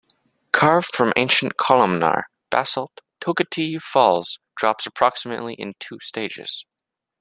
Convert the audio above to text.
Carved from ancient columnar basalt, Toketee Falls drops approximately in two stages.